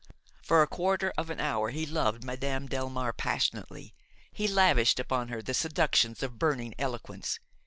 For a quarter of an hour he loved Madame Delmare passionately, he lavished upon her the seductions of burning eloquence.